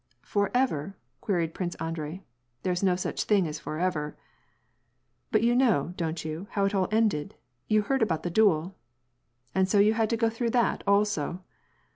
"For ever ?" queried Prince Andrei, "there is no such thing as for ever !" "But you know, don't you, how it all ended? You heard about the duel ?"" And so you had to go through that, also